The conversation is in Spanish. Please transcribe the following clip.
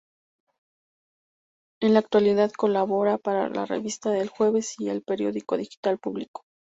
En la actualidad colabora para la revista "El Jueves" y el periódico digital "Público".